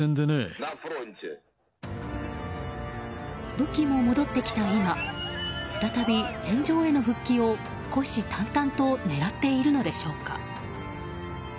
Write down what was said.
武器も戻ってきた今再び、戦場への復帰を虎視眈々と狙っているのでしょうか。